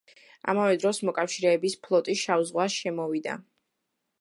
ამავე დროს მოკავშირეების ფლოტი შავ ზღვაში შემოვიდა.